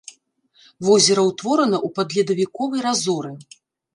Возера ўтворана ў падледавіковай разоры.